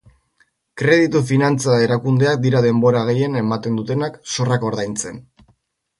Kreditu-finantza erakundeak dira denbora gehien ematen dutenak zorrak ordaintzen.